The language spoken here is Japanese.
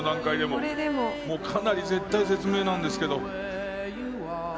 もうかなり絶体絶命なんですけど。